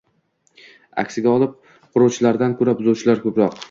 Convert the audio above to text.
Aksiga olib, quruvchilardan ko‘ra buzuvchilar ko‘proq.